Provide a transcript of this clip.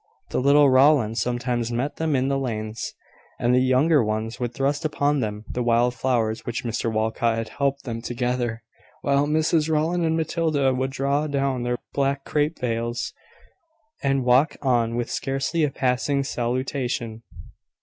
The little Rowlands sometimes met them in the lanes: and the younger ones would thrust upon them the wild flowers which Mr Walcot had helped them to gather, while Mrs Rowland and Matilda would draw down their black crape veils, and walk on with scarcely a passing salutation.